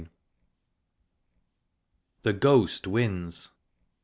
THE GHOST WINS.